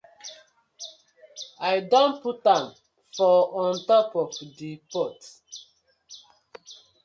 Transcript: I don put am for on top of the pot.